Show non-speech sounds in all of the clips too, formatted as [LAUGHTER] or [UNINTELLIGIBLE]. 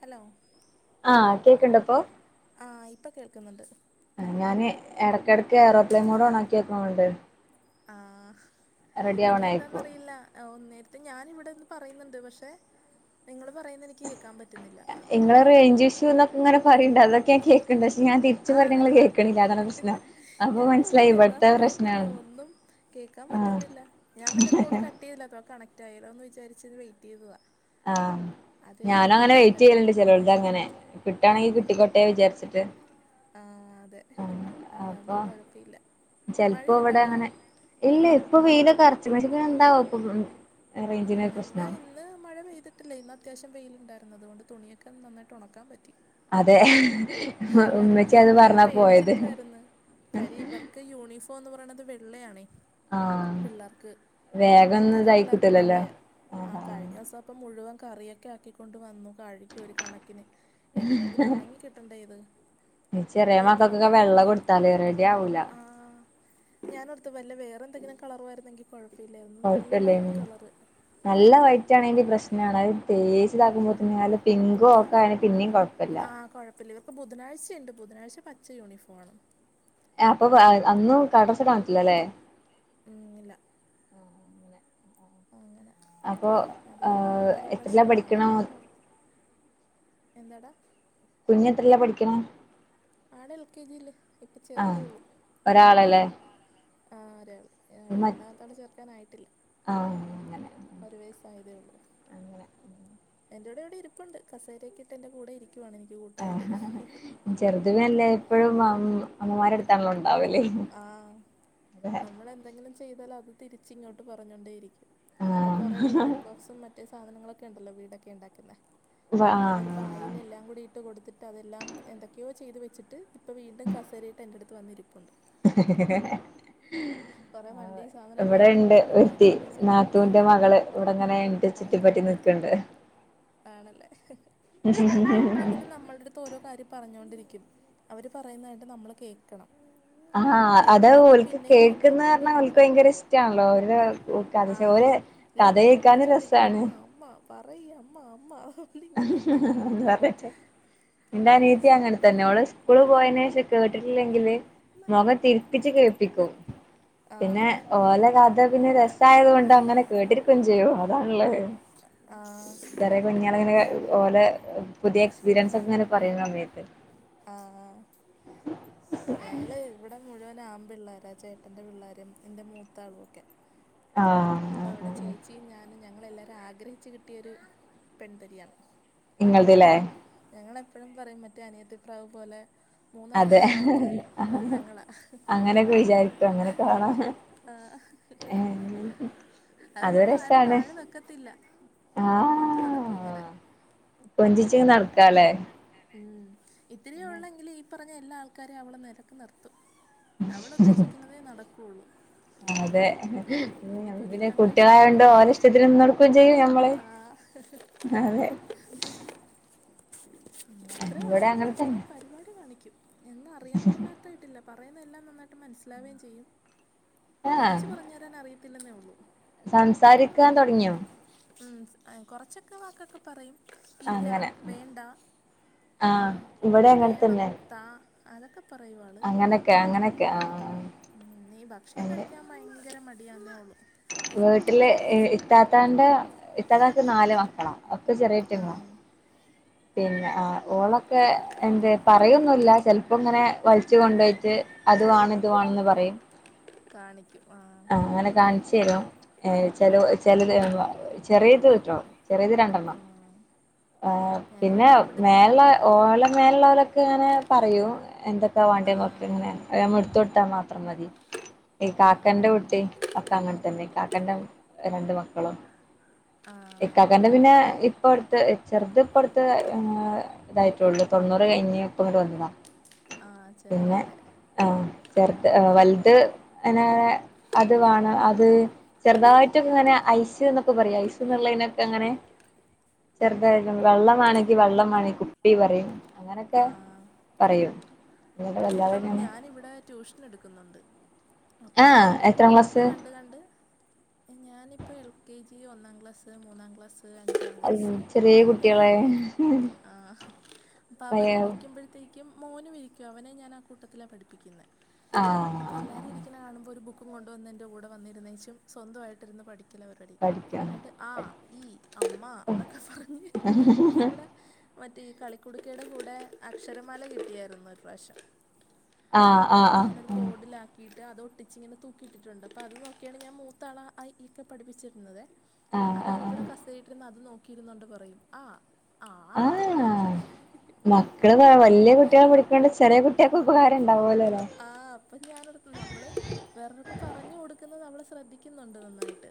Hello. ആഹ് കേക്ണ്ടപ്പൊ? ആഹ് ഇപ്പ കേൾക്ന്ന്ണ്ട്. അ ഞാന് എട്ക്കെട്ക്ക് ഏറോപ്ലെയിൻ മോഡോണാക്ക്യ [UNINTELLIGIBLE] ണ്ട്. ആഹ് ആവണായിരിക്കും ഇക്ക്യന്താന്നറിയില്ല. അ ഒന്നേരത്ത് ഞാനിവിടെന്ന് പറയ്ന്നുണ്ട് പക്ഷെ നിങ്ങള് പറയുന്ന എനിക്ക് കേക്കാ പറ്റുന്നില്ല. ഇങ്ങള് റെയ്ഞ്ച് ഇശ്യൂന്നൊക്ക ങ്ങനെ പറീണ്ട് അതൊകെ ഞ കേ ക്ണ്ട്. ക്ഷെ ഞാ തിര്ച്ചുപറി ആണാ ണങ്ങള് കേക്കണില്ല അതാണ് പ്രശ്നം. അപ്പൊ ഞാൻ മൻസ്ലായി ഇവട്ത്ത പ്രശ്ന കേക്കാപറ്റുന്നില്ല ഞാപിന്നെപ്പോ ണ്ട് കട്ടെയ്യില്ല അഥവാ കണക്ട് ആയല്ലോന്ന് വിചാരിച്ചത് വെയിറ്റെ യ്തതാ. ആഹ്. ഞാനങ്ങനെ ചെയ്തിട്ട് വെയിറ്റെയ്യല്ണ്ട് ഒന്നുകൂടി ചെലോൽതങ്ങനെ വിളിക്കാന്നോർത്തു കിട്ടാണെങ്കി കിട്ടിക്കോട്ടേ വിചാര്ച്ട്ട്. ആഹ് അതെ അതാമ്പൊ കൊഴപ്പില്ല. പെൽപ്പോവടങ്ങനെ ഇല്ല്യ ഇപ്പൊ വീനൊകർ [UNINTELLIGIBLE] ന്താവും പ്പം റേഞ്ചിനൊരു ആഹ് ഇവിടെ പ്രശ്നം. ഇന്ന് മഴ പെയ്തിട്ടില്ലേ ഇന്ന് അത്യാശ്യാം വെയിലിണ്ടായിരന്നത് കൊണ്ട് തുണിയൊക്കെ നന്നായിട്ട് ഉണക്കാൻ പറ്റി അതെ ങ്ങര് ഉമ്മച്ചി അത് ഞാൻ പറഞ്ഞാ പോയത് പേടിച്ചിരിക്കുവായിരന്ന് കാര്യം ഇവർക്ക് യൂണിഫോംന്ന് പറന്നത് വെള്ളയാണേ ആഹ് പിള്ളാർക്ക് വേഗം എൽ കെ ഒന്നും ജി ഇതായി പിള്ളാർക്ക് കിട്ടൂലല്ലോ വെള്ളയാ ആ അതാ ആഹ് കഴിഞ്ഞസം അപ്പം മുഴുവൻ കറിയൊക്കെ ആക്കിക്കൊണ്ട് വന്നു കഴുകി ഒരു കണക്കിന് എങ്ങനെയെങ്കിലും ഉണങ്ങി കിട്ടണ്ടേ ഇത് ചെറിയ അപ്പം ഇന്ന് മക്കക്കൊക്കെ വെള്ള ഭാഗ്യത്തിന് കൊടുത്തല് റെഡി ആവൂല. ഞാനടുത്ത് വല്ല വേറെ എന്തെങ്കിലും കളറുവഴിരുന്നെങ്കി കൊയ് കൊയപ്പലെനി നല്ല വെയ്റ്റാനാഗി പ്രശ് പിന്നെയാണ തേച് ഉം ഇതാക്കുമ്പോത്തിനും പിങ്ക് ഒക്കെ ആന്നെ പിന്നിം കൊയ് ആഹ് കൊയപ്പല്ല ഇത്പ്പോ ബുധനാഴ്ചണ്ട് ബുധനയിച്ച പച്ച യൂണിഫോ ആണ് ഏ അപ്പൊ അ അന്നും [UNINTELLIGIBLE] കാന്ച്ചില്ലല്ലേ ഉം ഇല്ല ആഹ് അങ്ങനെ അപ്പൊ അത് കാരണം ആഹ് ഇത്തിരി എത്രയിലാ പ്രശ്നമാണ് പഠിക്കണ ഞാൻ ഓർ എന്താടാ കുഞ്ഞത്രല്ല പഠിക്കിന്നേ ആടെ എൽ കെ ജില് ഇപ്പം ചേർത്തേ ആഹ് ഒള്ളു ഒരാളല്ലേ? ആഹ് ഒരാള് മറ്റ് രണ്ടാമത്തൊളെ ചേർക്കാനായിട്ടില്ല ആഹ്. അങ്ങനെ ഒരു വയസ്സ് ആയതേ ഉള്ളൂ അങ്ങനെ എന്റെ കൂടെ ഇവിടെ ഇരിപ്പുണ്ട് കസേരയക്കെ ഇട്ട് എന്റെ കൂടെ ഇരി [UNINTELLIGIBLE] എനിക്ക് കൂട്ടായിട്ട് ചെറുതുനല്ലേ എപ്പഴും അമ്മമരട്താണല്ലോ ഉണ്ടാവല് ആഹ് നമ്മള് എന്തെങ്കിലും ചെയ്താല് അത് തിരിച് ഇങ്ങോട്ട് പറഞ്ഞൊണ്ടേ ഇരിക്കും ഇപ്പൊ കൊറെേ ആഹ് ബിൽഡിംഗ് ബ്ലോക്സും മറ്റേ സാധനങ്ങളൊക്കെ ഉണ്ടല്ലോ വീടൊക്കെ ഉണ്ടാക്ന്ന അതൊ ആഹ് പായിലെല്ലാം കുടി ഇട്ട് കൊടുത്തിട്ട് അതെല്ലാം എന്തൊക്കെയോ ചെയ്ത് വെച്ചിട്ട് ഇപ്പൊ വീണ്ടും കസേരയിട്ട് എ്ന്റട് ത്ത് വന്നിരിപ്പുണ്ട് [INAUDIBLE] കൊറേ ആഹ് വണ്ടി സാധനം എല്ലാം ഇവിടെ ഞാൻ ഇണ്ട് ഇട്ടിട്ടുണ്ട് ഒര്ത്തി ഏതാന്ന് വെച്ചാ നാത്തുന്റെ മകള് ഇവിടെങ്ങനെ ഇന്റെ ആഹ് ചുറ്റിപ്പറ്റി നി കണ്ട്. ആണല്ലേ ഇതിങ്ങനെ നമ്മള്ട് ഓരോ കാര്യം പറഞ്ഞോണ്ടിരിക്കും അവര് പറയുന്നായിട്ട് നമ്മൾ കേക്കണം ഹ്ഹാആ അത കേട്ടില്ലെങ്കി ഓല്ക്ക് പിന്നെയും പിന്നെയും കേൾക്ന്നാർന്ന പിന്നെയും ഓല്ക് ഇങ്ങനെ ഭയങ്കര ഇഷ്ടണല്ലോ [UNINTELLIGIBLE] ആഹ് ഓല് ഇല്ലെങ്കി ഇങ്ങനെ വിളിച്ചോണ്ടിരിക്കും അമ്മ അമ്മ പറയി അമ്മ അമ്മ. ഇങ്ങനെ നിക്കും ഇന്റെ ഒരു അനിയത്തി അങ്ങനെ രസാണ് തന്നെ ഓൾ സ് ക്കൂൾ പോയേനേഷം ശേഷം കേട്ടിട്ടില്ലെങ്കില് മുഖം തിര്ഥിച് കേൾപ്പിക്കും. പിന്നെ ആഹ് ഓല കഥ പിന്നെ രസായതോണ്ട് അങ്ങനെ കേട്ടിരിക്കും ചെയ്യും അതാളെ. ആഹ്. അങ്ങനെ ഓലെ പുതിയ എക്സ്പീരിയൻസ് ഓകെങ്ങനെ പറീന സമയത്ത്. ആഹ് ആഹ് ഞാള് ഇവിടെ മുഴുവൻ ആം പിള്ളോര ചേട്ടന്റെ പിള്ളേരും എന്റെ മൂത്താളൊക്കെ. ആഹ്. അപ്പൊ അവിടെ ചേച്ചിയും ഞാനും ഞങ്ങളെല്ലാരും ആഗ്രഹിച്ചു കിട്ടിയൊരു പെൺതരിയാണ്. ഇങ്ങള്തലെ. ഞങ്ങളെപ്പയും പറയും മറ്റേ അനിയത്തി പ്രാവ് പോലെ. മൂന്ന് അതെ ആങ്ങളമാർക്ക് ഒരു പെങ്ങളാ ഹ്ഹഹ്. അങ്ങനെയൊക്കെ വിചാരിക്കും അങ്ങനെ കാണാം ആഹ് അത് അത്കൊണ്ട് ആരും രസാണ് താഴെ വെക്കത്തില്ല. കൊണ്ട് നടക്കും ഇങ്ങനെ. കൊഞ്ചിച് നടക്കല്ലേ? ഉം ഇത്തിരി ഒള്ളെങ്കില് ഈ പറഞ്ഞ എല്ലാ ആൾക്കാരെ അവള് നെലത് നിർത്തും. അവളുദ്ദേശിക്കണതേ നടക്കുള്ളു. അതെ പിന്നെ കുഞ്ഞിപ്പെങ്ങളെ ഇഷ്ടമായത് കുട്ട്യളായോണ്ട് കൊണ്ട് ഓര ഇഷ്ടത്തിന്ന് നിന്നൊട്ക്കും ചെയ്യും ഞമ്മള്. [UNINTELLIGIBLE] അതെ. ത്രെ ഇവിടെ അങ്ങനെ ഒള്ളെങ്കിലും കൊറെ തന്നെ പരിപാടി കാണിക്ക്യും. എന്നു അറിയാ പാടില്ലാതായിട്ടല്ല പറയുന്ന എല്ലാം നന്നായിട്ട് മനസ്സിലാവ്കേം ചെയ്യും. തിരിച്ചു പറഞ്ഞ് തരാൻ അറിയത്തില്ലെന്നേ ഉള്ളൂ. സംസാരിക്കാ തൊട്ങ്ങിയോ? ഉം ഏഹ് കൊറച്ചൊക്കെ വാക്കൊക്കെ പറയും ഇല്ല. അങ്ങനെ വേണ്ട ആഹ് ഇവിടെ അങ്ങനെ വേണം തന്നെ താ അതൊക്കെ പ പറയുവാള്. അങ്ങനൊക്കെ അങ്ങനൊക്കെ ആഹ് ഉം ഈ ഭക്ഷണം അതെ കഴിക്കാ ഭയങ്കര മടിയാന്നേ ഒള്ളു. വീട്ടില് ഇ ഇത്താത്താന്റെ ഇത്താത്തക്ക് നാല് മക്കളാ ഒക്കെ ചെറിയ്റ്റങ്ങളാ. ആ പിന്നെ ആ ഓളൊക്കെ എന്ത് പറയൊന്നുംല്ല ചെൽപ്പങ്ങനെ വൽച്ചു കൊണ്ടേയ്റ്റ്. അത്വാണ ഇത് വാണന്ന് പറയും. കാണിക്കു- ആഹ്ങ്ങനെ കാണിച്ചെരും ഏഹ് ചെലൊ ചെലത് ചെറിയത് റ്റോ ചെറിയത് രണ്ടെണ്ണം ആഹ് ആഹ് ഞങ്ങളുടെ ഇവിടുത്തെയും ഓള മേലുള്ളൊലൊക്കെ ഇങ്ങനെ പറയു എന്തൊക്കാ വേണ്ടേന്നൊക്കെ ആഹ് ഇങ്ങനെ അത് നമ്മ എടുത്തൊടുത്താ ത്താ മതി ഈ കാക്കെന്റെ ആഹ് കുട്ടി ഒക്ക അങ്ങൻതന്നെ ഇകാക്കന്റെ രണ്ടു മക്കളും ആഹ് ഇകാക്കൻ ത് പിന്നെ ഇപ്പോടുത്ത് ചെറുത് ഇപ്പടുത്ത് ട്ട് ഏഹ് ഇതായിട്ടുള്ളൂ തൊണ്ണൂറ് കഴിഞ്ഞ് ഇപ്പങ്ങട് വന്നതാ ആഹ് പിന്നെ ചെറുതാല്ലേ ആഹ് ചെറുത് ആ വലുത് അന്ന അത് വാണം അത് ചെറ്തായിട്ടൊങ്ങനെ ഐസ്ന്നൊക്കെ പറയും ഐസ്ന്നൊള്ളേനൊക്കെ ങ്ങനെ ചെറുതായിരിക്കും വെള്ളം വാണങ്കി വെള്ളം വേണേ കുപ്പി പറയും അങ്ങനൊക്കെ ആഹ് പറയും അല്ലാതെ വല്ലാതെ ഇതിപ്പം അങ്ങനെ ഞാനിവിടെ ട്യൂഷനെടുക്കുന്നുണ്ട് അപ്പ അത് ആഹ് എത്രാം കണ്ട് ക്ലാസ് കണ്ട് കണ്ട് ഞാനിപ്പോ എൽ കെ ജി ഒന്നാം ക്ലാസ് മൂന്നാം ക്ലാസ്സ് അഞ്ചാം ക്ലാസ്സ് ചെറിയ നാല് പേരാ കുട്ടികളെ ആഹ് അപ്പവര് ആഹ് ഇരിക്കുമ്പഴത്തേ ക്കും മോനുവിരിക്കും അവനെ ഞാനാ കൂട്ടത്തിലാ പഠിപ്പിക്കുന്നെ അപ്പ എല്ലാരും ഇരി ആഹ് ക്കണ കാണുമ്പോ ഒരു ബുക്കും കൊണ്ടുവന്ന് എൻ്റെ കൂട വന്നിരുന്നേച്ചും സ്വന്തവായിട്ടിര്ന്ന് പഠിക്കല പരുപാടി പഠിക്കാണ് എന്നിട്ട് ആ ഈ അമ്മന്നക്കെ പറഞ്ഞ് ഇവിടെ മറ്റേ ഈ കളിക്കുടുക്കേട കൂടെ അക്ഷരമാല കിട്ടിയാരുന്നു ഈ പ്രാവശ്യം ആഹ് അപ്പത് ആഹ് ആഹ് ഞാനൊരു ബോർഡിലാക് ക്കീട്ട് അത് ഒട്ടിച്ച്ങ്ങനെ തൂക്കിട്ടിട്ടുണ്ട് അപ്പൊ അത് നോക്ക്യാണ് ഞാൻ മൂത്താള അ ഈ ക്കെ പഠിപ്പിച്ചിരുന്നതെ ആഹ് അത് ആഹ് ഇവിടെ ആഹ് കസേരയിട്ടിര്ന്ന് അത് നോക്കിയിരുന്നോണ്ട് പറയും അ ആ ഈ ആഹ് മക്കള് വ വല്യ കുട്ട്യളെ പഠിക്കാണ്ട് ചെറിയ കുട്ട്യക്കുപകാരം ഉണ്ടാകുവല്ലേ ആഹ് അപ്പൊ ഞാനോർത്തു നമ്മള് വേറൊരാക്ക് പറഞ്ഞു കൊടുക്കുന്നത് അവള് ശ്രദ്ധിക്കുന്നൊണ്ട് നന്നായിട്ട്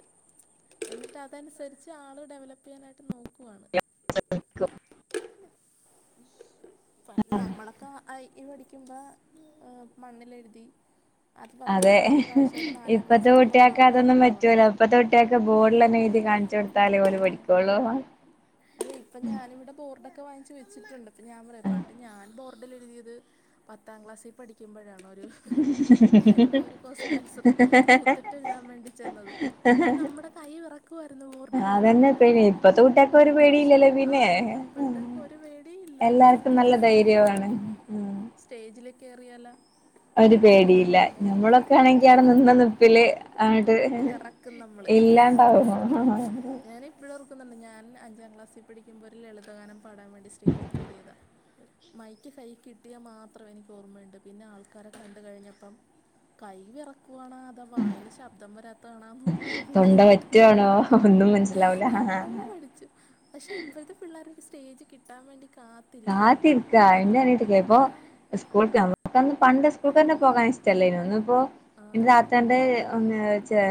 എന്നിട്ട് അതനുസരിച്ച് ആള് ഡെവലപ്പ് ചെയ്യാനായിട്ട് നോക്കുവാ [UNINTELLIGIBLE] പൺ നമ്മളൊക്കെ ആ ഈ പടിക്കുമ്പ ഏഹ് മണ്ണിലെഴുതി അത് പത്ത് അതെ പന്ത്രണ്ട് പ്രാവശ്യം ഒരു നാലാം ക്ലാസാവുമ്പോഴാണ് അത് കറക്റ്റ് ആവണത് ഇപ്പഴത്തെ കുട്ട്യക്ക് ബോർഡിലന്നെഴുതി കാണിച്ചു കൊടുത്താലേ ഓല് പഠിക്കൊള്ളൂ പ്പം ഞാനിവിടെ ബോർഡൊക്കെ വാങ്ങിച്ച് വെച്ചിട്ടുണ്ട് പ്പ ഞാൻ പറയു പണ്ട് ഞാൻ ബോർഡിൽ എഴുതിയത് പത്താം ക്ലാസ്സി പഠിക്കുമ്പോഴാണന്ന് എന്തോ ഒരു കോസ് നാൻസറ് തൂത്തിട്ടെഴുതാൻ വേണ്ടി ചെന്നത് എന്നിട്ട് നമ്മുടെ കൈ വെറക്കുവാരുന്നു ബോർഡിൽ അതന്നെ എഴുതാന്നേരം പേടി ഇപ്പത്തെ കുട്ട്യാക്ക് ഒരു പക്ഷേ പേടിയില്ലല്ലോ പിന്നെ ആഹ് ഇപ്പഴത്താക്കൊരു പേടീല്ല എല്ലാർക്കും എന്ത് നല്ല വേണെങ്കിലും ധൈര്യവാണ് ചെയ്യാം ഉം സ്റ്റേജിലേക്കേറിയാലാ ഒരു പേടീല്ല ഞമ്മളൊക്കെ ആണെങ്കി അവിടെ നിന്ന നിപ്പില് ആട് വിറക്കും ഇല്ലാണ്ടാവു ഹഹഹ ഞാനിപ്പോഴോർക്കുന്നുണ്ട് ഞാൻ അഞ്ചാം ക്ലാസി പടിക്കുമ്പോ ഒരു ലളിതഗാനം പാടാൻ വേണ്ടി സ്റ്റേജി കേറിയത മൈക്ക് കൈ കിട്ടിയ മാത്രം എനിക്ക് ഓർമണ്ട് പിന്നെ ആൾക്കാരെ കണ്ട് കഴിഞ്ഞപ്പം കൈ വെറക്കുവാണാതാ വായില് ശബ്ദം വരാത്ത ന്താണന്നൊന്നും ഒരുപിടീം തൊണ്ട കിട്ടുന്നില്ല വറ്റാണോ ഒന്നും മനസ്സിലാവൂല എന്തോ പഠിച്ചു പക്ഷെ ഇപ്പോഴത്തെ പിള്ളേരൊരു സ്റ്റേജ് കിട്ടാൻ വേണ്ടി കാ കാത്തിര്ക്കാ എന്റനീത്തിക്കെപ്പോ സ്കൂൾക്ക് വക്കന്ന് പണ്ട് സ്കൂൾക്കന്നെ പോകാൻ ഇഷ്ടല്ലേനു ഇന്നിപ്പോ ആ എന്റെ താത്താന്റെ ഒന്ന്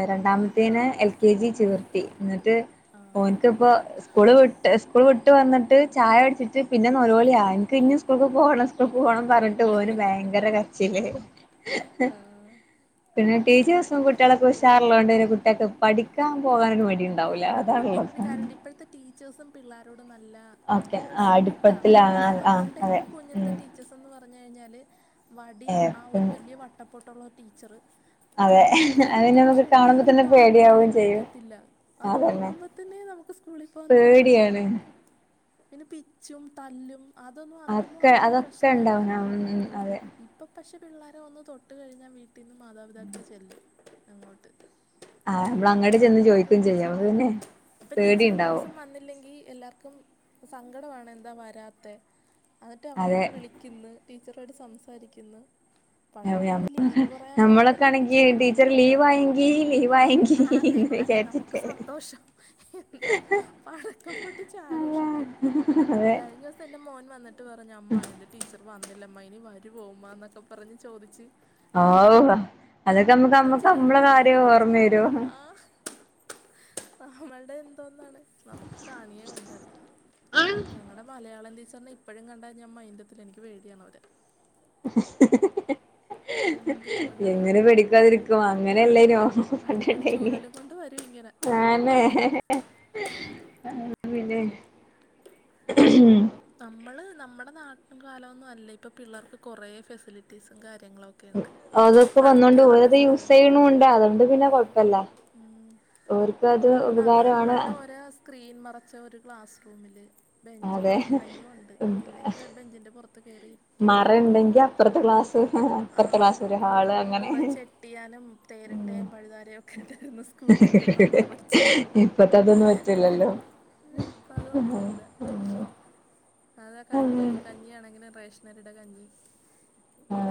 രണ്ടാമത്തേന് എൽ കെ ജി ചേർത്തി എന്നിട്ട് ആ ഓന്ക്കിപ്പോ സ്കൂൾ വിട്ട് സ്കൂൾ വിട്ട് വന്നിട്ട് ചായടിച്ചിട്ട് പിന്നെ ന്നൊളോളിയാ എനിക്ക് ഇി സ്കൂൾക്ക് പോണം സ്കൂൾ പോണം പറഞ്ഞിട്ട് ഒരു ഭയങ്കര കരിചില ആ പിന്നെ ടീച്ചേഴ്സും കുട്ടികളക്കെ ഉഷാറുള്ളതോണ്ട്ന്നെ കുട്ടികൾെ പഠിക്കാൻ പോകാനൊ മടി ഉണ്ടാവില്ലേ ഇപ്പപ്പോ പിന്ന കാരണംണ്ട് ഇപ്പോഴത്തെ ടീച്ചേഴ്സും പിള്ളേരോടും നല്ല ഓക്കെ ആ കൂട്ടാണ് അടുപ്പത്തിലാണ് ആ അതെ നമ്മളുടെൊക്കെ ഉം കുഞ്ഞിൽത്തെ ടീച്ചസ്ന്ന് പറഞ്ഞു കഴിഞ്ഞാല് വടി ആ ഒരു ഏ വലിയ വട്ടപ്പോട്ടുള്ള ടീച്ചറ് അതെ പിന്നെ അത് പിന്നെ നമുക്ക് ഭീഷണ ഡി കാണുമ്പോ തന്നെ ഡാന്നല്ലാതെ പേടിയാവുകയും ചെയ്യും വിളിക്കത്തില്ല അത് അതന്നെ ഓർക്കുമ്പോ തന്നെ നമുക്ക് സ്കൂളിൽ പോകാൻ തോന്നത്തില്ല പേടിയാണ് പിന്നെ പിച്ചും തല്ലും അതൊന്നും വന്നൊന്നും അതൊക്കെ ആർക്കും അതൊക്കെ ഉണ്ടാവും പ്രശ്നല്ലായിരുന്നു ഉം അതെ ഇപ്പൊ പക്ഷെ പിള്ളോര ഒന്ന് തൊട്ട് കഴിഞ്ഞാ വീട്ടിൽന്ന് മാതാപിതാക്കക്ക് ചെല്ലു അങ്ങോട്ട് ആഹ് മ്മള് അങ്ങട് ചെന്ന് ചോദിക്കുകയും ചെയ്യും അപ്പൊ ടീച്ചർ ഒരു ദിവസം വന്നിലെങ്കി എല്ലർക്കും സങ്കട എന്താ വരാത്തെ എന്നിട്ട് അതെ അങ്ങോട്ട് വി ളിക്ക്ന്ന് ടീച്ചറോട് സംസാരിക്കുന്നു പണ്ടൊക്കെ ഒന്ന് ലീവ് പറയാൻ വേണ്ടി നമ്മളൊക്കെ തന്നെ വിളിച്ച ആണെങ്കി കഴിഞ്ഞാൽ കൈ ടീച്ചർ വെറക്കും ലീവ് ആയെങ്കി ലീവ് ആയെങ്കി എന്ന് വിചാരിച്ചിട്ട് സന്തോഷം എന്നോ പടക്കം പൊട്ടിച്ച ആഘോഷിക്കും ഉം അതെ എന്റെ മോൻ വന്നിട്ട് പറഞ്ഞഞ് അമ്മ അന്റെ ടീച്ചർ വന്നില്ലമ്മ ഇനി വരുമോ മന്നൊക്കെ പറഞ് ചോദിച്ചു ഓ അതൊക്കെ നമ്മക്ക്മ്മക്ക്മ്മളെ കരച്ചിലായിരുന്നു ആൾക്കാര് കാര്യം ആലോചിച്ച് ഓർമ്മ വരും ആ നമ്മളുടെ നമുക്ക് കാണിയേ വേണ്ടാല ഞങ്ങളുടെ മലയാളം ടീച്ചറിന ഇപ്പോഴും കണ്ടാ ഞൻ മൈൻറെത്തി എനിക്ക് വേടിയണ അവരെ [INAUDIBLE] എന്ത് പോലെ എങ്ങനെ പെടിക്കാതിരിക്കും അങ്ങനെ എല്ലായിനോ ചുരലും കൊണ്ട് വരും ഇങ്ങനെ ആന്നേ നമ്മള് നമ്മുടെ നാട്ടൻ കാലംന്നും അല്ല ഇപ്പ പിള്ളർക്ക് കൊറെേ ഫെസിലിറ്റീസും കാര്യങ്ങളൊക്കെ ഉണ്ട് അതൊക്കെ വന്നോണ്ട് കളിക്കാനുള്ള ഓരത് യൂസ് സ്ഥലം ചെയ്യണണ്ട് അതുകൊണ്ട് പിന്നെ കൊഴപ്പല്ല ഉ ഓർക്ക് അത് നമ്മളൊക്കെ ഉപകാരമാണ് പണ്ട ഓരോ സ്ക്രീൻ മറച്ച ഒരു ക്ലാസ് റൂമില് അതെ ബെഞ്ച്ക്കെ ഉണ്ടെങ്കിലും ഉണ്ട് ഇല്ലെങ്കിൽ ഒരു ബെഞ്ചിന്റെ പുറത്ത് ഒത്ത് കയറി ഇരിക്കണം മറുണ്ടെങ്കി അപ്പുറത്തെ ക്ലാസ് അപ്പറത്തെ ക്ലാസ് ഒരു ഹാള് അങ്ങനെ ട്ടിയാനും ഉം തേരട്ടയും പഴുതാരയും ഒക്കെ ഉണ്ടായിരുന്ന സ്കൂളിലൊക്കെയാണ് നമ്മള് പഠിച്ചത് പത്ത അതൊന്നും പറ്റില്ലല്ലോ ഇപ്പ അതൊന്നുല്ല്യ. അതാ കഞ്ഞി കഞ്ഞിഅണെങ്കിലും റേഷനരിടെ കഞ്ഞി.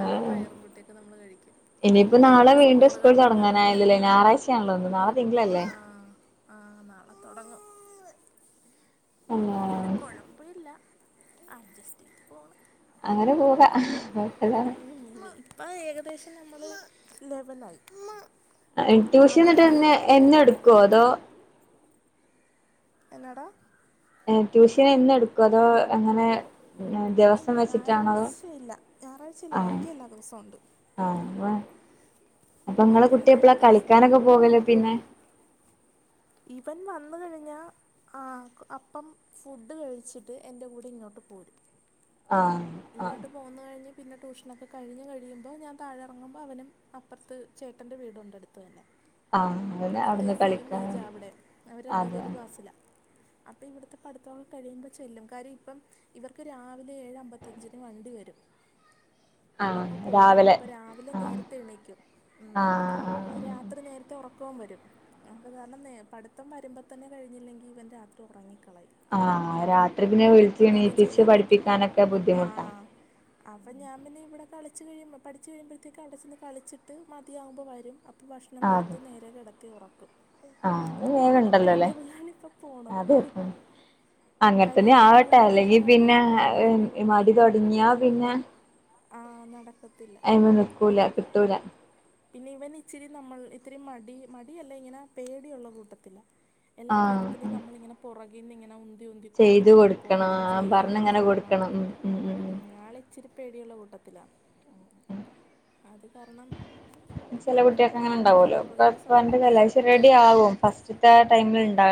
അതും പയറും കൂട്ടിയൊക്കെ നമ്മള് കഴിക്കും. ഇനിയിപ്പ നാളെ ഇപ്പോഴത്തെ വീണ്ടും സ്കൂൾ സ്കൂളുകളിലെ തന്നെ തുടങ്ങാനായല്ലല്ലേ ഞായറാഴ്ചയാണല്ലോന്ന് നാളെതിങ്കളല്ലേ? ആഹ് ആഹ് നാളെ തോടങ്ങും. പിന്നെ കുഴപ്പില്ല അഡ്ജസ്റ്റ് ചെയ്ത് പോണ്. അങ്ങനെ പോക ഇപ്പ ഏകദേശം നമ്മള് ലെവലായി. ട്യൂഷൻ ആദ്യ എന്നിട്ട് എന്നെ എന്നും എടുക്കുവോ അതോ [UNINTELLIGIBLE] എന്നാടാ? ട്യൂഷൻ എന്നും എടുക്കോ അതോ എങ്ങനെ? ഇല്ല ഞായറാഴ്ച ഇല്ല ഞായറാഴ്ച ഇല്ല ആഹ് ബാക്കിയല്ലാ ദിവസൊ ഉണ്ട്. ആഹ് അപ്പൊ നീങ്ങടെ ബാക്കി കുട്ടി എല്ലാ എപ്പഴാ ദിവസവും ഉണ്ട് കളിക്കാനൊക്കെ പോകല് പിന്നെ? ഇവൻ വന്ന് കഴിഞ്ഞാ- ആഹ് അപ്പം ഫുഡ് കഴിച്ചിട്ട് എന്റെ കൂടെ ഇങ്ങോട്ട് പോരും. ആഹ്. ആഹ് ഇങ്ങോട്ട് പോന്ന് കഴിഞ്ഞ് പിന്നെ ട്യൂഷനക്കെ കഴിഞ്ഞ് കഴിയുമ്പോൾ ഞാൻ താഴെറങ്ങുമ്പൾ അവനും അപ്പുറത്ത്- ചേട്ടൻ്റെ വീടുണ്ട് അടുത്തു തന്നെ ആഹ് അവന് ഇതെ അവിടുന്ന് സെയിം കളിക്കാൻ ഏജാ അവിടെ അവര് രണ്ടെരും അതെ ഒരു ക്ലാസ്സില അപ്പൊ ഇവിടുത്തെ പഠത്തൊക്കെ കഴിയുമ്പോ ചെല്ലും കാര്യം ഇപ്പം ഇവർക്ക് രാവിലെ ഏഴ് അമ്പത്തി- ത്തഞ്ചിന് വണ്ടി വരും ആഹ് അപ്പ പോണം രാവിലെ അപ്പ രാവിലെ ആഹ് നേരത്തെ എണക്കും ഉം ആഹ് ആഹ് രാത്രി നേരത്തെ ഒറക്കോം വരും കാരണം പഠിത്തം വരുമ്പോ തന്നെ കഴിഞ്ഞില്ലെങ്കിൽ ഇവൻ രാത്രി ഉറങ്ങിക്കളായും ആഹ് രാത്രി പിന്നെ വിളിച്ച് എണീപ്പിച്ച് ചെയ്യാൻ പഠിപ്പിക്കാനൊക്കെ ബുദ്ധിമുട്ടാ അപ്പ ഞാൻ പിന്നെ ഇവിടെ കളിച്ച്ഴിയുമ്പോ പഠിച്ച് കഴിയുമ്പഴത്തേക്ക് അവിടെ ചെന്ന് കളിച്ചിട്ട് മതിയാവുമ്പോ വരും ത്ത് ഭക്ഷണം അതെ കൊടുത്ത് നേരെ കെടത്തി ഒറക്കും ആഹ് അത് വേഗം ആഹ് ഒരു ഉണ്ടല്ലോ ടൈം അല്ലേ ടേബിളിലാണ് ഇപ്പൊ പോണത് അത് അങ്ങനെ തന്നെ കര്യം ആവട്ടെ ഇളയാളും കൂടെ ഉള്ള അല്ലെങ്കിൽ കാരണേ പിന്നെ [UNINTELLIGIBLE] മടി തോടങ്ങിയ പിന്നെ ആ നടക്കത്തില്ല അയി്മ നിക്കൂല ട്ടൂല പിന്നെ ഇവൻ ഇച്ചിരി നമ്മൾ ഇത്തിരി മടി മടിയല്ലേ ഇങ്ങനെ പേടിയുള്ള കൂട്ടതില എല്ലാ കാര്യത്തിലും ആഹ് നമ്മളിങ്ങനെ പുറകന്ന് ഇങ്ങനെ ഉന് ചെയ്ത് തൂന്തികൊണ്ടിരിക്കണം പോണം കൊടുക്കണം ചെയ്യണം പറഞ്ഞിങ്ങനെ ചെയ്യണം കൊടുക്കണം ഉം ഉം ഞാളെ ഇച്ചിരിപ്പേടിയുള്ള കൂട്ടത്തിലാ അത് കാരണം ചില കുട്ടികൾക്കെ അങ്ങനെ നമ്മളിങ്ങനെ ഉണ്ടാവുല്ലോ പുറകിന്ന് സപ്പോർട്ട് ചെയ്ത് ഇപ്പന്റെവശ് സപ്പോർട്ട് റെഡി ചെയ്ത് ആകും ഫസ്റ്റ്തെ ആ ടൈമിൽ ഉണ്ടാ